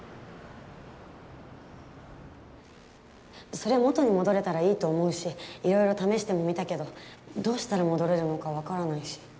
そりゃ元に戻れたらいいと思うしいろいろ試してもみたけどどうしたら戻れるのか分からないし。